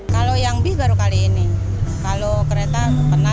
kalau yang bis baru kali ini kalau kereta pernah